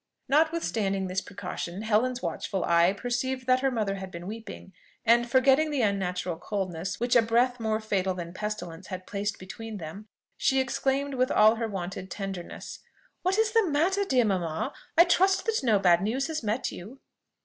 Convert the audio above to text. Notwithstanding this precaution, Helen's watchful eye perceived that her mother had been weeping, and, forgetting the unnatural coldness which a breath more fatal than pestilence had placed between them, she exclaimed with all her wonted tenderness, "What is the matter, dear mamma? I trust that no bad news has met you?"